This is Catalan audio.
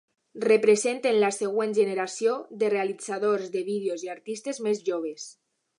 Representen la següent generació de realitzadors de vídeos i artistes més joves.